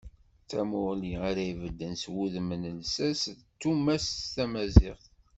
D tamuɣli ara ibedden s wudem n llsas d tumast tamaziɣt.